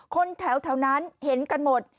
คนแถวนั้นเห็นกันหมด